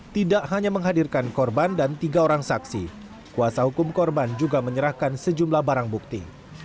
tidak hanya menghadirkan korban dan tiga orang saksi kuasa hukum korban juga menyerahkan sejumlah barang bukti